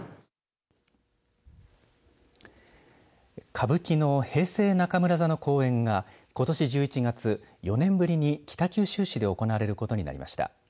歌舞伎の平成中村座の公演がことし１１月４年ぶりに北九州市で行われることになりました。